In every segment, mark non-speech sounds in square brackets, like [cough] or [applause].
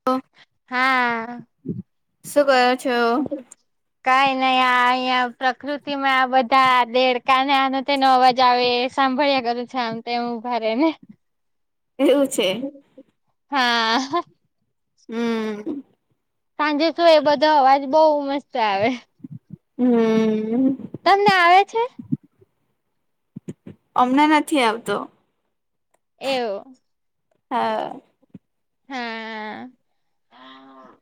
હા. હા. શું કરો છો? કાઈ નહી આ અહીંયા પ્રકૃતિ માં આ બધા દેડકાનો આનનો તેનો અવાજ આવે સાંભળ્યા કરું છું આમ તેમ ઉભા રે ને એવું છે. હા હ હમ્મ. સાંજે છો એ બધો અવાજ બહુ મસ્ત આવે. હમ્મ હમ્મ. તમને આવે છે? હમણાં નથી આવતો એવું હા. હા [inaudible]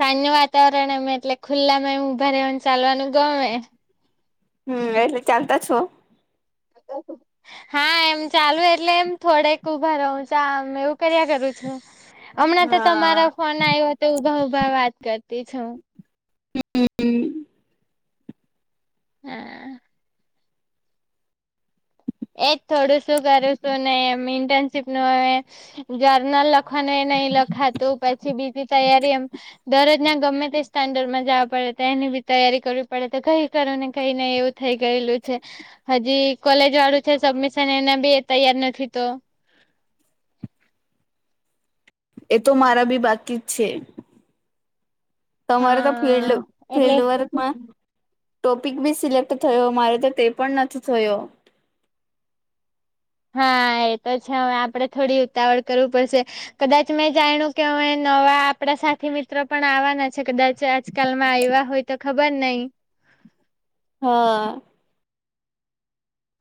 સાંજનું વાતાવરણ એમે એટલે ખુલ્લા માં એમ ઊભા રહેવાનુ ચાલવાનું ગમે હમ્મ એટલે ચાલતા છો. [inaudible] હા એમ ચાલુ એટલે એમ થોડેક ઉભા રહું ચા એમ કર્યા કરું છું. હમણાં તો હા તમારા ફોન આવ્યો તો ઉભા ઉભા વાત કરતી છું. હમ્મ હમ્મ હમ્મ. હા. એજ થોડું શું કરું છું ને એમ ઇન્ટર્નશીપ નું હવે જરનલ લખવાનું એ નહી લખાતું પછી બીજી તૈયારી એમ દરરોજ નાં ગમે તે સ્ટાન્ડર્ડ માં જાવું પડે તો એની બી તૈયારી કરવી પડે તો કઈ કરુ ને કઈ નહી એવું થઈ ગયેલું છે હજી કોલેજ વાળું છે સબમિશન એના બી તૈયાર નથી તો એ તો મારા બી બાકી જ છે. તમારે તો ફિલ્ડ હા એટલે ફિલ્ડ વર્કમાં ટોપિક બી સિલેક્ટ થયો મારે તો તે પણ નથી થયો. હા એ તો છે હવે આપડે થોડી ઉતાવળ કરવું પડશે. કદાચ મેં જાણ્યું કે અમે નવા આપડા સાથી મિત્રો પણ આવવાના છે કદાચ આ કાલ માં આવ્યા હોય તો ખબર નહી. હા.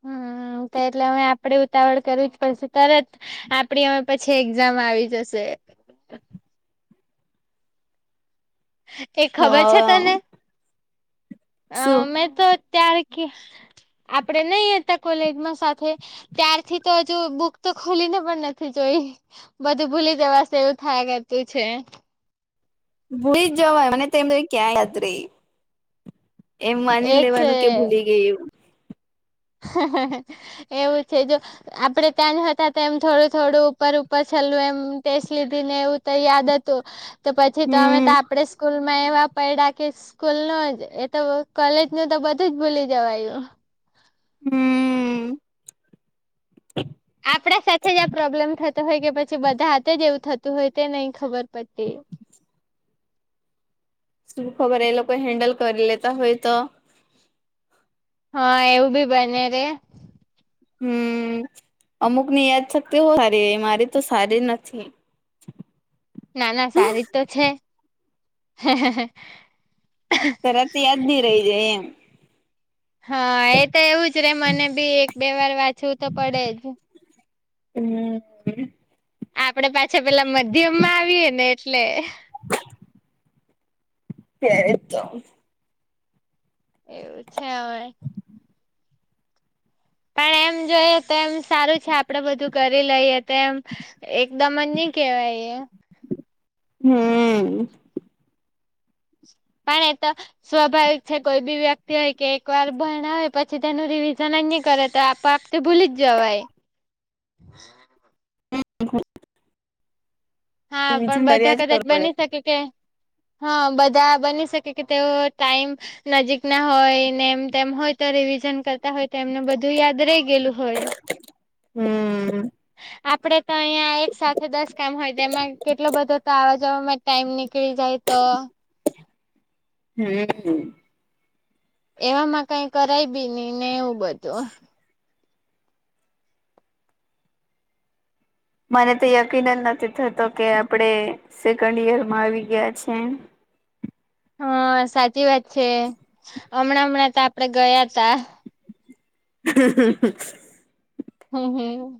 હા તો એટલે હવે, આપણે ઉતાવળ કરવી જ પડશે તરત. આપણી અવે પછી એક્ઝામ આવી જશે. એ ખબર છે હા તને? અ શું મેં તો ત્યાર આપડે નઈ હતા કોલેજમાં સાથે. ત્યારથી તો હજુ બુક તો ખુલી ને પણ નથી જોઈ. બધું ભૂલી દેવાશે એવું થાય કરતું છે. ભૂલી જ જવાય ને તને અમે ક્યાં યાદ રે એમ એ માની છે લેવાનું કે ભૂલી ગયુ હેહેહે એવું છે જો. આપડે ત્યાં જ હતા તો એમ થોડું થોડું, ઉપર ઉપર છેલ્લું એમ ટેસ્ટ લીધી ને એવું યાદ હતું, તો પછી તો અમે તો હમ આપણે સ્કૂલમાં એવા પૈડા કે સ્કૂલનો જ, એ તો કોલેજનું તો બધું જ ભૂલી જવાયું. હમ્મ આપણા સાથે જ આ પ્રોબ્લેમ થતો હોય, કે પછી બધા હાથે જ એવું થતું હોય, તે નહ ખબર પડતી. શું ખબર? એ લોકો હેન્ડલ કરી લેતા હોય તો હા, એવું બી બને રે હમ્મઅમુકની યાદ શક્તિ હો હારી એ, મારી તો સારી નથી. નાના, સારી તો છે. તરત યાદ ની રહી જાય એમ. હા, એ તો એવું જ રે મને બી એક બે વાર વાંચવું તો પડે જ. હમ્મ આપણે પાછા પેલા મધ્યમમાં આવીએ ને એટલે ત્યારે તો એવું છે હવે. પણ એમ જોઈએ તો એમ સારું છે, આપણે બધું કરી લઈએ તો એમ એકદમ જ ની કેવાય એ હમ્મ પણ એ તો સ્વાભાવિક છે કોઈ બી વ્યક્તિ હોય, કે એક વાર ભણાવે, પછી તેનું રિવિઝનની કરે, તો આપો આપ તે ભૂલી જ જવાય. [unintelligible] હા, બીજું પણ બધા કર્યા જ કર કદાચ પડે બની શકે કે હા, બધા બની શકે કે તેઓ ટાઈમ નજીકના હોય ને એમ તેમ હોય તો રિવિઝન કરતા હોય તો એમનું બધું યાદ રહી ગયેલું હોય. હમ્મ આપણે તો અહિયાં એક સાથે દસ કામ હોય, તેમાં કેટલો બધો તો આવા જવા માજ ટાઈમ નીકળી જાય તો હમ્મ એવામાં કઈ કરાય બી નઈ ને એવું બધું મને તો યકીન જ નથી થતો કે આપણે સેકન્ડ યરમાં આવી ગયા છે. હા, સાચી વાત છે. હમણાં હમણાં તો આપણે ગયા તા. [inaudible] હમ્મ હમ્મ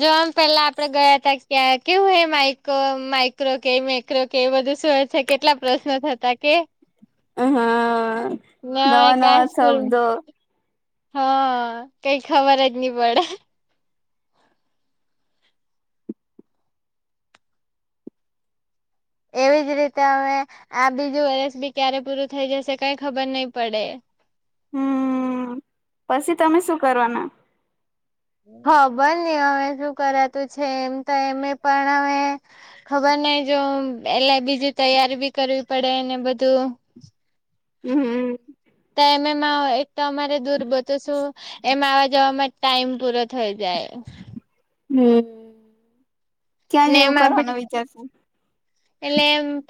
જો આમ પેલા આપણે ગયા ત્યાં, કેવું એ માઈક માઇક્રો કેમેક [unintelligible] કે એ બધું શું છે કેટલા પ્રશ્નો થતા કે? હા મે હવે નવા ક્યા નવા સ્કૂલ શબ્દો હા, કઈ ખબર જ નહી પડે. એવી જ રીતે હવે, આ બીજું વર્ષ બી ક્યારે પૂરું થઈ જશે, કઈ ખબર નહી પડે. હમ્મ પસી તમે શું કરવાના? ખબર નહી. હવે શું કરાતું છે? એમ તો એમે પણ હવે ખબર નય જો એલે બીજી તૈયારી બી કરવી પડે ને બધું હમ્મ તો એમેં માં એક તો અમારે દૂર બચો શો એમ આવા જવાવામાં જ ટાઈમ પૂરો થઈ જાય. હમ ક્યાં ને જેવું એમાં આપણે કરવાનું વિચારશું. એટલે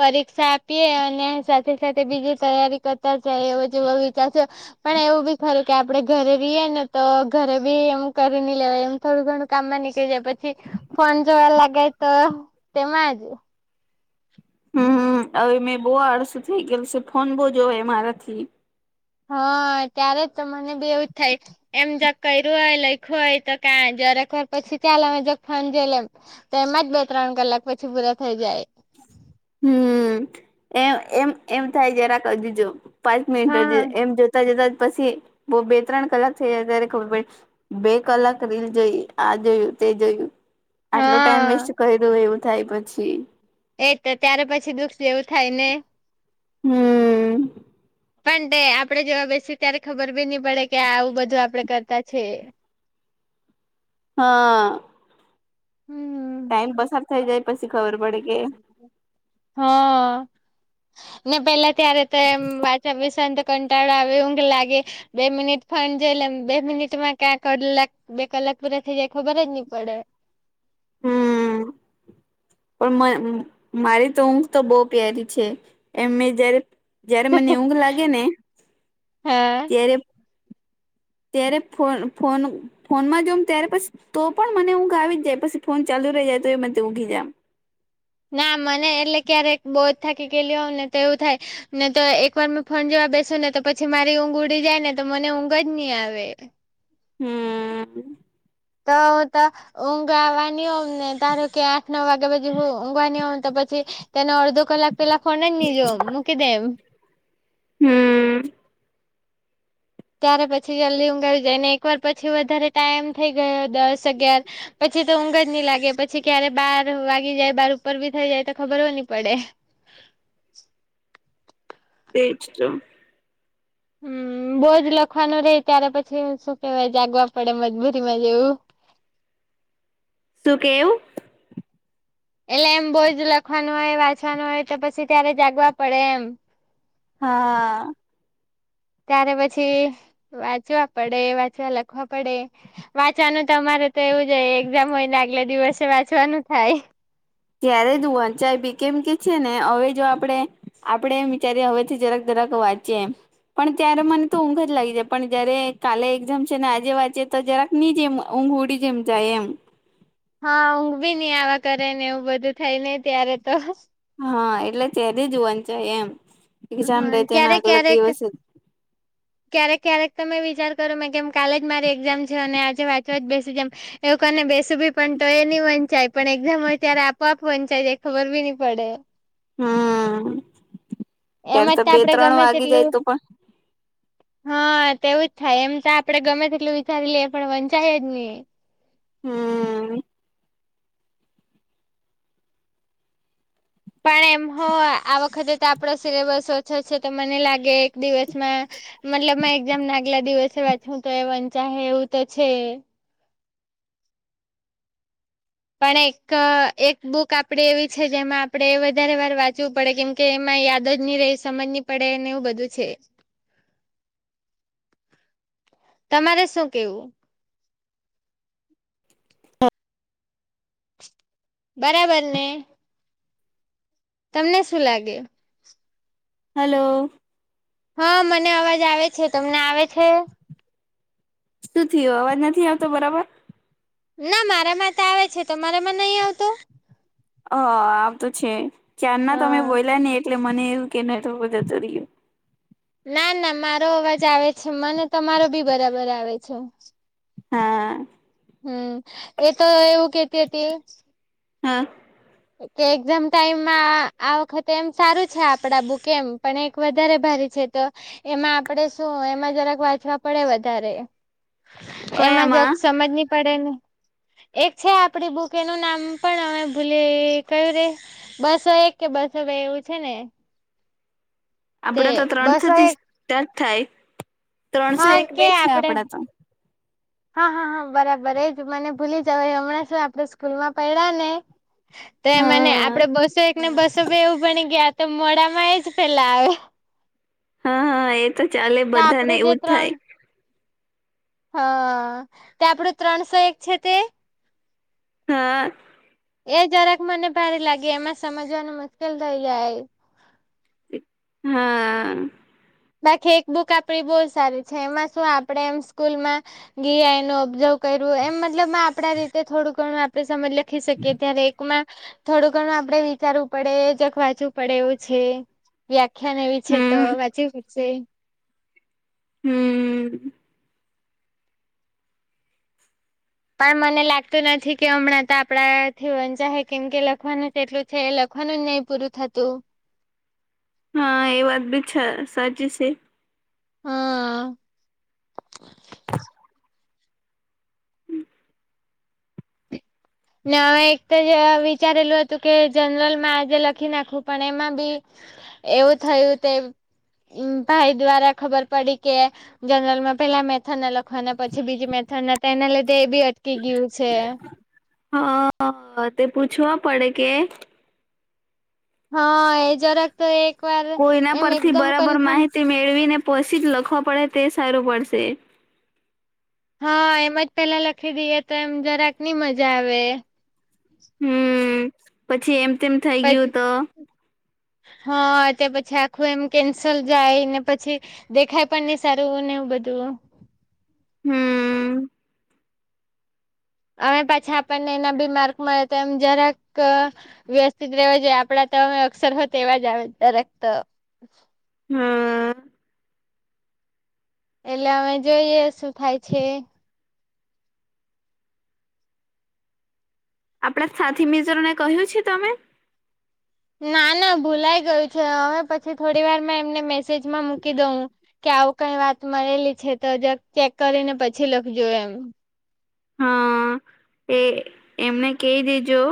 પરીક્ષા આપીએ અને સાથે સાથે બીજી તૈયારી કરતા જાય એવો જો બ વિચારશો. પણ એવું બી ખરું કે આપડે ઘરે રહીએ ને તો ઘરે બી એમ કરી ન લેવા એમ. થોડું ઘણું કામમાં નીકળી જાય પછી, ફોન જોવા લાગાય તો તેમાંજ હમ હવે મેં બહુ આળસુ થઇ ગયલું છે ફોન બહ જો મારાથી. હા ત્યારે જ તો મને બી એવુંજ થાય. એમ જગ કર્યું હોય લઈખ્યું હોય તો ક જરેકવાર પછી ચ્યાલ અમે જ ફોન જોઈ લેમ. તો એમાં જ બે ત્રણ કલાક પછી પૂરા થઈ જાય. હમ, એમ એમ એમ થાય જરાક અજુ જોમ. પાંચ મિનિટ હા એમ જોતા જતા પછી બ બે ત્રણ કલાક થઈ જાય ત્યારે ખબર પડ. બે કલાક રીલ જોઈ આ જોયું તે જોયું. આટલો ટાઈમ હા વેસ્ટ કર દ્યો એવું થાય પછી. એ તો ત્યારે પછી દુઃખ જેવું થાય ને. હમ. પણ તે આપડે જોવા બેસી ત્યારે ખબર બી નહી પડે કે આવું બધું આપડે કરતા છે. હા. હમ ટાઇમ પસાર થઈ જાય પછી ખબર પડે કે હા, પેલા ત્યારે તો એમ વાચા વિશે કંટાળો આવે ઊંઘ લાગે, બે મિનિટ પણ જઈ બે મિનિટમાં ક્યાં કર બે કલાક પેરા થઈ જાય ખબર જ નહી પડે. હમ [inaudible] પણ મારી તો ઊંઘ તો બહુ પ્યારી છે, એમ મે જયારે જયારે મને ઊંઘ લાગે ને હા ત્યારે ત્યારે ફોન ફોન ફોન માં જોમ ત્યારે પછી તો પણ મને ઊંઘા આવી જાય પછી ફોન ચાલુ રહી જાય તો એ મને ઊઘી જ જામ. ના મને એટલે ક્યારેક બોધ થાકી ગલી હો ને તો એવું થાય. ને તો એક વાર મેં ફણ જવા બેસુ ને તો પછી મારી ઊંઘ ઉડી જાય ને તો મને ઊંઘ જ નહી આવે. હમ. તો હું તો ઊંઘ આવવાની હોમ ને તારો કે આઠ નવ વાગે. પછી હું ઘવાની હો તો પછી, તેને અડધો કલાક પેલા ફોન ની જો મૂકી દે એમ. હમ. ત્યારે પછી જલ્દી ઊંઘ જાયને એકવાર પછી વધારે ટાઈમ થઈ ગયો દસ અગયાર. પછી તો ઊઘ જ નહી લાગે પછી ક્યારે બહાર વાગી જાય બહાર ઉપર બી થઈ જાય તો ખબર નહી પડે. તેચ તો. હમ બોજ લખવાનું રે ત્યારે પછી શું કેવાય જાગવા પડે મજબૂરીમાં જેવું. સુું કેવુ? એટલે એમ બોજ લખવાનું હોય વાંચવાનું હોય તો પછી ત્યારે જાગવા પડે એમ. હા. ત્યારે પછી, વાંચવા પડે વાંચવા લખવા પડે. વાંચવાનું તો અમારે તો એવું જ એક્ઝામ હોય ને આગલે દિવસે વાંચવાનું થાય. ક્યારે જ વચાઈ પી કેમ કે છે ને હવે જો આપડણે આપડે એમ વિચારીએ હવે થી જરાક જરાક વાંચીએ એમ. પણ ત્યારે મને તો ઊંઘ જ લાગી જાય પણ જયારે કાલે એક્ઝામ છે ને આજે વાંચે તો જરા ની જેમ ઊંઘ ઉડી જેમ જાય એમ. હા ઊંઘ બી નહીં આવા કરે ને એવું બધું થાય નહિ ત્યારે તો. હા એટલે ત્યારે જવાન છે એમ એક્ઝામ હા ડે તેના ક્યારેક આગલા ક્યારેક દિવસે [inaudible] ક્યારેક ક્યારેક તો મે વિચાર કરું મે કેમ કાલે જ મારી એક્ઝામ છે. અને આજે વાંચવા જ બેસી જામ. એવું કરીને બે [unintelligible] પણ તો એ ની વંચાય પણ એક્ઝામ હોય ત્યારે આપઆપ વંચાય જાય ખબર બી ની પડે. હમ ત્યારે એમાં તો જ બે આપડે ત્રણ ગમે વાગી તેટલું જાય તો પણ હા તેવું જ થાય એમ તો આપડે ગમે તેટલું વિચારી લઈએ પણ વંચાય જ ની. હમ. પણ એમ હો આ વખતે તો આપડો સિલેબસ ઓછો છે તો મને લાગે દિવસમાં મતલબ એક્ઝામ ના આગલા દિવસે વાચહું તો એ વંચાહે એવું તો છે. પણ એક એક બુક આપડી એવી છે જેમાં આપડે વધારે વાર વાંચવું પડે કેમ કે એમાં યાદ જ ની રેય સમજ ની પડે ને એવું બધું છે. તમારે શું કેવું? બરાબરને? તમને શું લાગે? હલો! હા મને અવાજ આવે છે. તમને આવે છે? શું થયું અવાજ નથી આવતો બરાબર? ના મારામાં તો આવે છે. તમારામાં નઈ આવતું? અ આવતો છે. ક્યારના તમે હા બોયલા ને એટલે મને એવું કે નેટવર્ક કજ જતું રહ્યું. ના ના મારો અવાજ આવે છે મને તમારો બી બરાબર આવે છે. હા. હમ એ તો એવું કેતી હતી હ. કે એક્ઝામ ટાઈમમાં આ વખતે એમ સારું છે આપડા બુકે એમ પણ વધારે ભારે છે તો એમાં આપડે શું એમાં જરાક વાંચવા પડે વધારે. એમાં જરાક કયામાં સમજની પડે ને. એક છે આપડી બુક એનું નામ પણ અમે ભૂલી કે કયું રે બસો એક કે બસો બે એવું છે ને. તે આપડા તો ત્રણસો બસો થી એક સ્ટાર્ટ થાય ત્રણસો હા એક કે બે છે આપડે આપડા તો. [inaudible] હા હા હા બરાબર એજ મને ભૂલી જવાય અમણાં શું આપણે સ્કૂલમાં પડ્યા ને તો એ મને હા આપડે બસો એક ને બસો બે એવું ભણી ગયા તો મોડામાં એજ પેલા આવે. હા હા એ તો ચાલે તો બધાને આપડું જે એવું જ ત્રણ થાય. હા તે આપડું ત્રણસો એક છે તે હ એ જરાક મને ભારે લાગે એમાં સમજવાનું મુશ્કેલ થઈ જાય. હા. બાકી એક બુક આપડી બોઉ સારી છે એમાં શું આપડે એમ સ્કૂલમાં ગીયા એનું ઓબ્ઝવ કર્યું એમ મતલબમા આપડા રીતે થોડું ઘણું આપડે સમજ લખી શકીએ ત્યારે એકમાં થોડું ઘણું આપડે વિચારવું પડે જરાક વાંચવું પડે એવું છે. વ્યાખ્યા ને એવી છે તો હમ વાંચીવી પડે. હમ. પણ મને લાગતું નથી કે અમણાં તો આપણા થી વનચાહે કેમ કે લખવાનું તેટલું છે લેખનનું નઈ પૂર થતું. હા એ વાત બી સાચી છે. હા ને અવે એક તો જ વિચારેલું હતું કે જનરલમાં આજે લખી નાખવું પણ એમાં બી એવું થયું તે ભાઈ દ્વારા ખબર પડી કે જનરલમાં પેલા મેથનના લખવાના પછી બીજી મેથનના તો એના લીધે એ બી અટકી ગયું છે. હાઅ તે પૂછવા પડે કે? હા એ જરાક તો એક વાર એમ એકદમ કન્ફર્મ તે મેળવીને પછી જ લખવા પડે તે સારું પડશે હા એમ જ પેલા લખી દઈએ તો એમ જરાક ની મજા આવે હમ પછી એમ તેમ થઇ ગયું પછી તો હા તે પછી આખું એમ કેન્સલ જાય ને પછી દેખાય પણ નહી સારું ને એવું બધું હમ હવે પાછા આપણને એના બી માર્ક મળે તો એમ જરાક વ્યવસ્થિત રહેવા જોઈએ આપડા તમે અક્ષર હો તેવા જ આવે દરેક તો હા એટલે અમે જોઈએ શું થાય છે આપણા સાથી મિઝો ને કહ્યું છે તમે ના ના ભૂલાય ગયું છે હવે પછી થોડી વાર મે એમને મેસેજમાં મૂકી દઉં કે આવું કઈ વાત મળેલી છે તો જ ચેક કરીને પછી લખજ એમ હા એ એમને કહી દીજો